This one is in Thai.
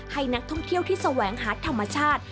ให้นักท่องเที่ยวที่แสวงหาธรรมชาติ